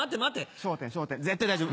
『笑点』『笑点』絶対大丈夫。